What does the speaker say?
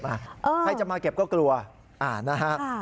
ใครจะมาเก็บก็กลัวอ่านะครับ